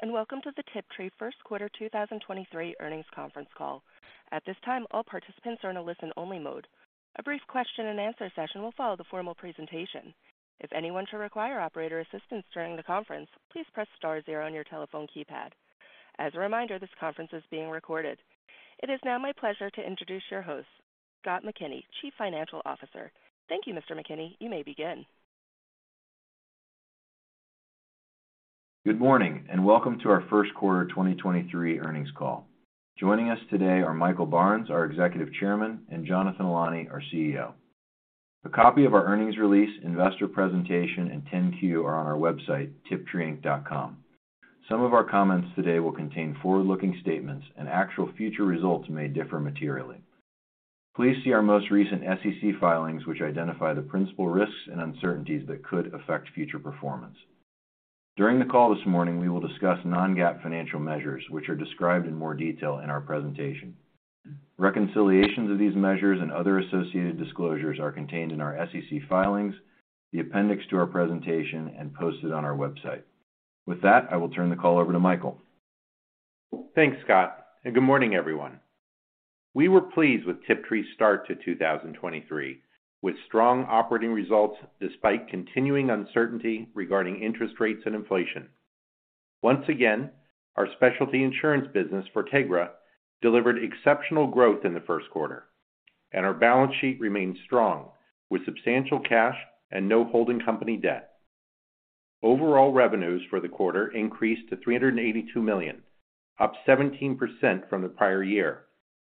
Greetings, welcome to the Tiptree first quarter 2023 earnings conference call. At this time, all participants are in a listen-only mode. A brief question and answer session will follow the formal presentation. If anyone should require operator assistance during the conference, please press star zero on your telephone keypad. As a reminder, this conference is being recorded. It is now my pleasure to introduce your host, Scott McKinney, Chief Financial Officer. Thank you, Mr. McKinney. You may begin. Good morning, and welcome to our first quarter 2023 earnings call. Joining us today are Michael Barnes, our Executive Chairman, and Jonathan Ilany, our CEO. A copy of our earnings release, investor presentation, and 10-Q are on our website, tiptreeinc.com. Some of our comments today will contain forward-looking statements and actual future results may differ materially. Please see our most recent SEC filings which identify the principal risks and uncertainties that could affect future performance. During the call this morning, we will discuss non-GAAP financial measures, which are described in more detail in our presentation. Reconciliations of these measures and other associated disclosures are contained in our SEC filings, the appendix to our presentation, and posted on our website. With that, I will turn the call over to Michael. Thanks, Scott, good morning, everyone. We were pleased with Tiptree's start to 2023, with strong operating results despite continuing uncertainty regarding interest rates and inflation. Once again, our specialty insurance business, Fortegra, delivered exceptional growth in the first quarter, our balance sheet remains strong with substantial cash and no holding company debt. Overall revenues for the quarter increased to $382 million, up 17% from the prior year,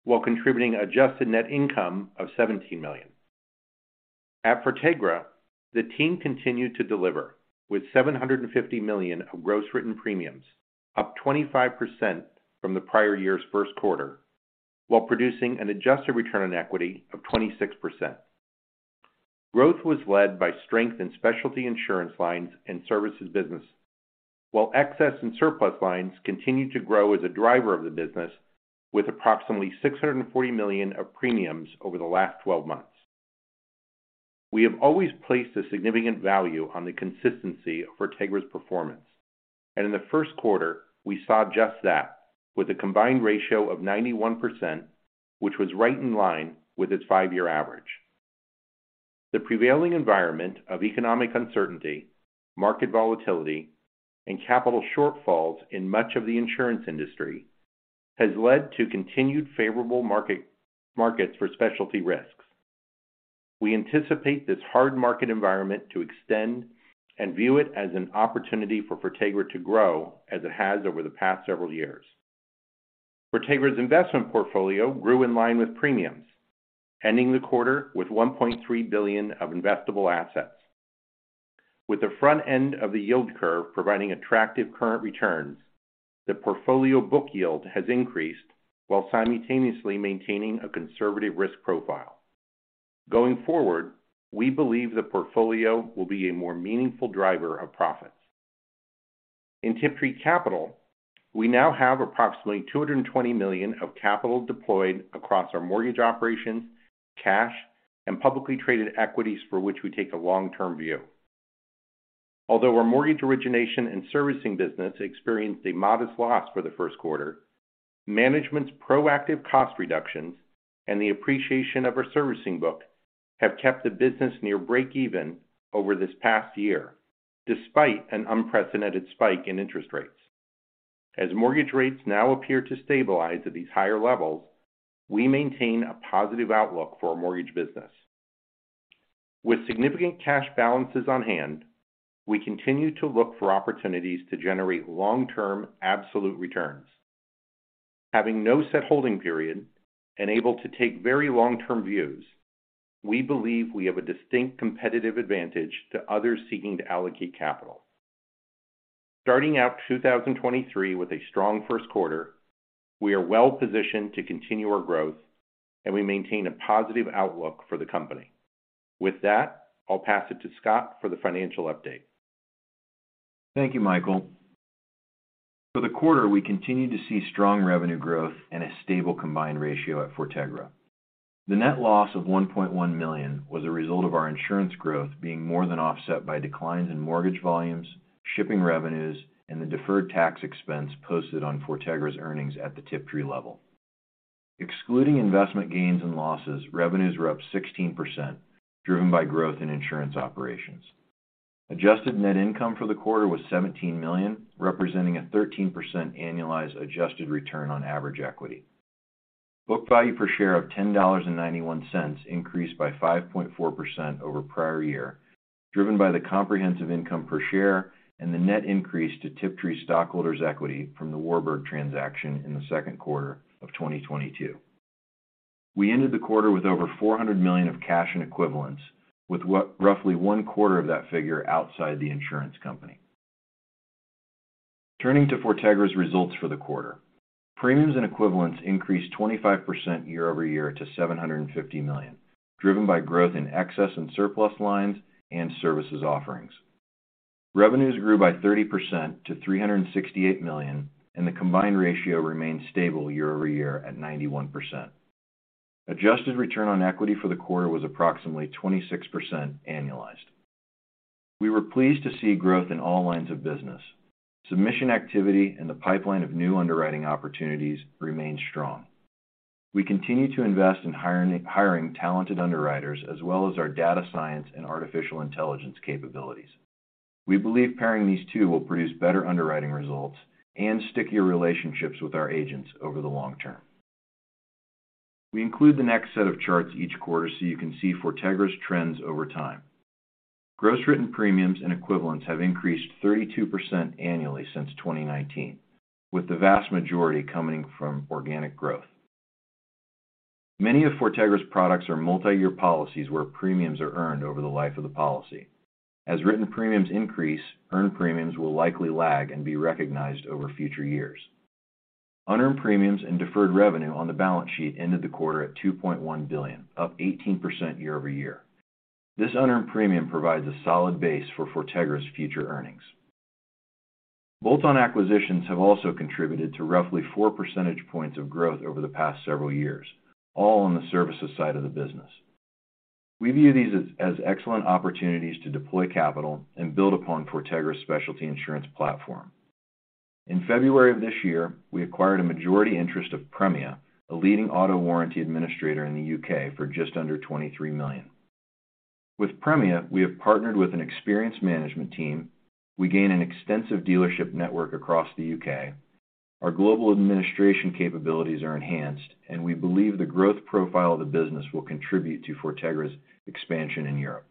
while contributing adjusted net income of $17 million. At Fortegra, the team continued to deliver with $750 million of gross written premiums, up 25% from the prior year's first quarter, while producing an adjusted return on equity of 26%. Growth was led by strength in specialty insurance lines and services business, while excess and surplus lines continued to grow as a driver of the business with approximately $640 million of premiums over the last 12 months. We have always placed a significant value on the consistency of Fortegra's performance, and in the first quarter, we saw just that with a combined ratio of 91%, which was right in line with its five-year average. The prevailing environment of economic uncertainty, market volatility, and capital shortfalls in much of the insurance industry has led to continued favorable markets for specialty risks. We anticipate this hard market environment to extend and view it as an opportunity for Fortegra to grow as it has over the past several years. Fortegra's investment portfolio grew in line with premiums, ending the quarter with $1.3 billion of investable assets. With the front end of the yield curve providing attractive current returns, the portfolio book yield has increased while simultaneously maintaining a conservative risk profile. Going forward, we believe the portfolio will be a more meaningful driver of profits. In Tiptree Capital, we now have approximately $220 million of capital deployed across our mortgage operations, cash, and publicly traded equities for which we take a long-term view. Although our mortgage origination and servicing business experienced a modest loss for the first quarter, management's proactive cost reductions and the appreciation of our servicing book have kept the business near breakeven over this past year, despite an unprecedented spike in interest rates. Mortgage rates now appear to stabilize at these higher levels, we maintain a positive outlook for our mortgage business. With significant cash balances on hand, we continue to look for opportunities to generate long-term absolute returns. Having no set holding period and able to take very long-term views, we believe we have a distinct competitive advantage to others seeking to allocate capital. Starting out 2023 with a strong first quarter, we are well-positioned to continue our growth. We maintain a positive outlook for the company. With that, I'll pass it to Scott for the financial update. Thank you, Michael. For the quarter, we continued to see strong revenue growth and a stable combined ratio at Fortegra. The net loss of $1.1 million was a result of our insurance growth being more than offset by declines in mortgage volumes, shipping revenues, and the deferred tax expense posted on Fortegra's earnings at the Tiptree level. Excluding investment gains and losses, revenues were up 16%, driven by growth in insurance operations. Adjusted net income for the quarter was $17 million, representing a 13% annualized adjusted return on average equity. Book value per share of $10.91 increased by 5.4% over prior year, driven by the comprehensive income per share and the net increase to Tiptree stockholders' equity from the Warburg transaction in the second quarter of 2022. We ended the quarter with over $400 million of cash and equivalents, with what roughly one quarter of that figure outside the insurance company. Turning to Fortegra's results for the quarter. Premiums and equivalents increased 25% year-over-year to $750 million, driven by growth in excess and surplus lines and services offerings. Revenues grew by 30% to $368 million. The combined ratio remained stable year-over-year at 91%. Adjusted return on equity for the quarter was approximately 26% annualized. We were pleased to see growth in all lines of business. Submission activity and the pipeline of new underwriting opportunities remained strong. We continue to invest in hiring talented underwriters as well as our data science and artificial intelligence capabilities. We believe pairing these two will produce better underwriting results and stickier relationships with our agents over the long term. We include the next set of charts each quarter so you can see Fortegra's trends over time. Gross Written Premiums and equivalents have increased 32% annually since 2019, with the vast majority coming from organic growth. Many of Fortegra's products are multi-year policies where premiums are earned over the life of the policy. As written premiums increase, earned premiums will likely lag and be recognized over future years. Unearned Premiums and Deferred Revenue on the balance sheet ended the quarter at $2.1 billion, up 18% year-over-year. This unearned premium provides a solid base for Fortegra's future earnings. Bolt-on acquisitions have also contributed to roughly 4 percentage points of growth over the past several years, all on the services side of the business. We view these as excellent opportunities to deploy capital and build upon Fortegra's specialty insurance platform. In February of this year, we acquired a majority interest of Premia, a leading auto warranty administrator in the U.K., for just under $23 million. With Premia, we have partnered with an experienced management team, we gain an extensive dealership network across the U.K. Our global administration capabilities are enhanced, and we believe the growth profile of the business will contribute to Fortegra's expansion in Europe.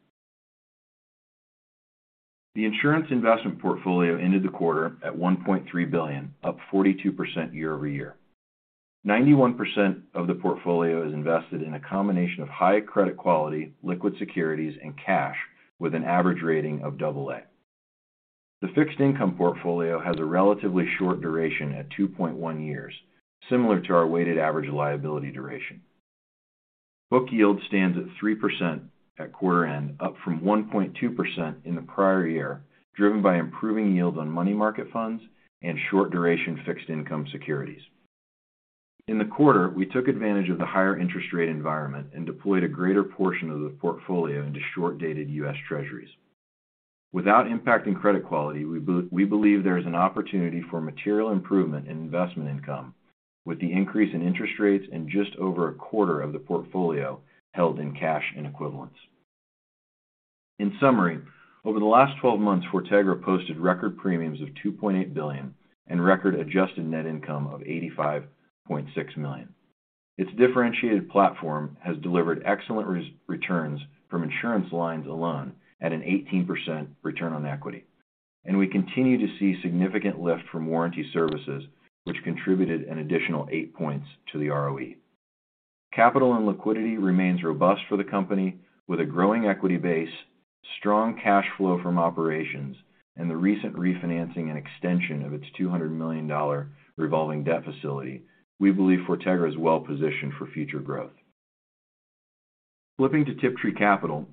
The insurance investment portfolio ended the quarter at $1.3 billion, up 42% year-over-year. 91% of the portfolio is invested in a combination of high credit quality, liquid securities, and cash with an average rating of AA. The fixed income portfolio has a relatively short duration at 2.1 years, similar to our weighted average liability duration. Book yield stands at 3% at quarter end, up from 1.2% in the prior year, driven by improving yield on money market funds and short duration fixed income securities. In the quarter, we took advantage of the higher interest rate environment and deployed a greater portion of the portfolio into short-dated U.S. Treasuries. Without impacting credit quality, we believe there is an opportunity for material improvement in investment income with the increase in interest rates and just over a quarter of the portfolio held in cash and equivalents. In summary, over the last 12 months, Fortegra posted record premiums of $2.8 billion and record adjusted net income of $85.6 million. Its differentiated platform has delivered excellent returns from insurance lines alone at an 18% return on equity. We continue to see significant lift from warranty services, which contributed an additional 8 points to the ROE. Capital and liquidity remains robust for the company with a growing equity base, strong cash flow from operations, and the recent refinancing and extension of its $200 million revolving debt facility. We believe Fortegra is well positioned for future growth. Flipping to Tiptree Capital,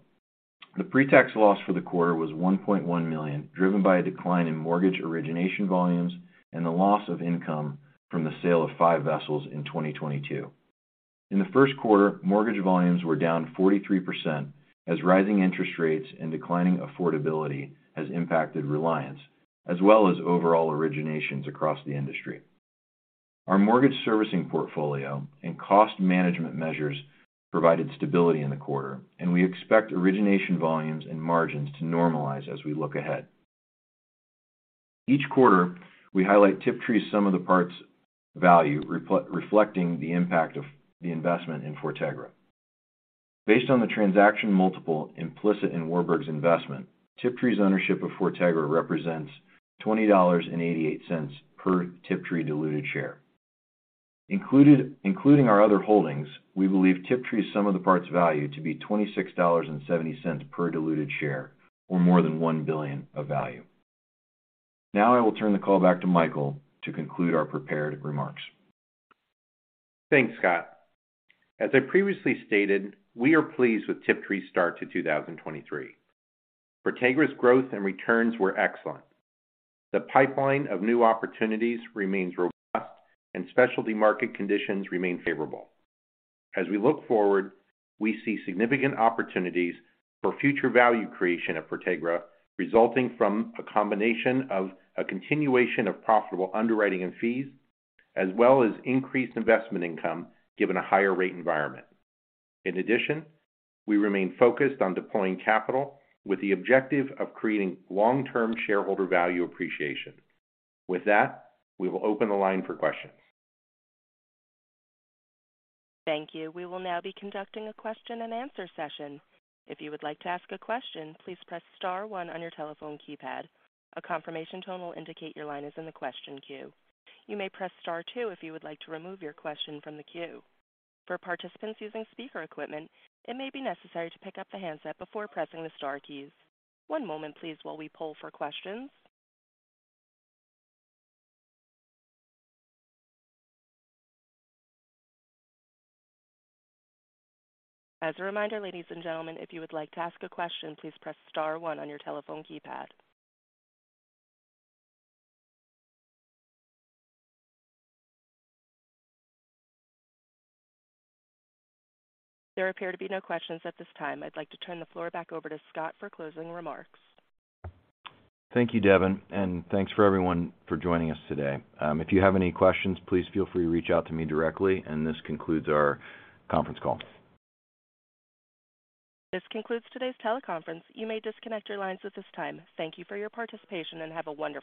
the pre-tax loss for the quarter was $1.1 million, driven by a decline in mortgage origination volumes and the loss of income from the sale of 5 vessels in 2022. In the first quarter, mortgage volumes were down 43% as rising interest rates and declining affordability has impacted Reliance, as well as overall originations across the industry. Our mortgage servicing portfolio and cost management measures provided stability in the quarter, and we expect origination volumes and margins to normalize as we look ahead. Each quarter, we highlight Tiptree's sum-of-the-parts value reflecting the impact of the investment in Fortegra. Based on the transaction multiple implicit in Warburg's investment, Tiptree's ownership of Fortegra represents $20.88 per Tiptree diluted share. Including our other holdings, we believe Tiptree's sum-of-the-parts value to be $26.70 per diluted share or more than $1 billion of value. I will turn the call back to Michael to conclude our prepared remarks. Thanks, Scott. As I previously stated, we are pleased with Tiptree's start to 2023. Fortegra's growth and returns were excellent. The pipeline of new opportunities remains robust and specialty market conditions remain favorable. As we look forward, we see significant opportunities for future value creation at Fortegra, resulting from a combination of a continuation of profitable underwriting and fees, as well as increased investment income given a higher rate environment. In addition, we remain focused on deploying capital with the objective of creating long-term shareholder value appreciation. With that, we will open the line for questions. Thank you. We will now be conducting a question and answer session. If you would like to ask a question, please press star one on your telephone keypad. A confirmation tone will indicate your line is in the question queue. You may press star two if you would like to remove your question from the queue. For participants using speaker equipment, it may be necessary to pick up the handset before pressing the star keys. One moment please while we poll for questions. As a reminder, ladies and gentlemen, if you would like to ask a question, please press star one on your telephone keypad. There appear to be no questions at this time. I'd like to turn the floor back over to Scott for closing remarks. Thank you, Devin, and thanks for everyone for joining us today. If you have any questions, please feel free to reach out to me directly, and this concludes our conference call. This concludes today's teleconference. You may disconnect your lines at this time. Thank you for your participation and have a wonderful day.